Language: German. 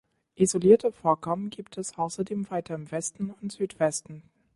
Isolierte Vorkommen gibt es außerdem weiter im Westen und Südwesten.